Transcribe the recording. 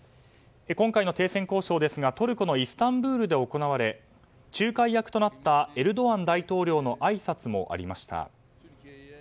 今回はトルコのイスタンブールで行われ仲介役となったエルドアン大統領のあいさつもありました。